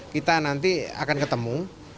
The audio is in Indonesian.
kita nanti akan ketemu